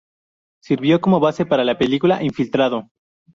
Sirvió como base para la película "Infiltrado".